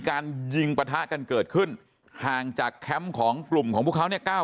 การยิงปะทะกันเกิดขึ้นห่างจากแคมป์ของกลุ่มของพวกเขาเนี่ย